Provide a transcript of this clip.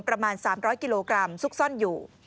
ประมาณ๓๐๐กิโลกรัมซุกซ่อนอยู่